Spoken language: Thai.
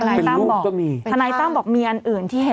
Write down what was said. ว่าธนัยตั้มบอกมีอันอื่นที่เห็น